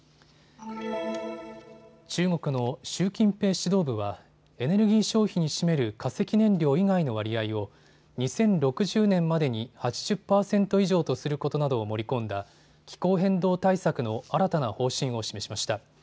中国の習近平指導部はエネルギー消費に占める化石燃料以外の割合を２０６０年までに８０％以上とすることなどを盛り込んだ気候変動対策の新たな方針を示しました。